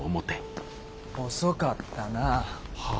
遅かったな。は？